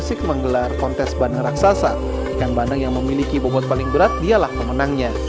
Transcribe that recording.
ikan bandeng yang memiliki bobot paling berat dialah pemenangnya